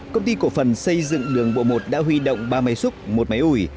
công ty cổ phần xây dựng đường bộ một đã huy động ba máy xúc một máy ủi